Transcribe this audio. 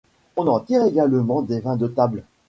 On en tire également des vins de table.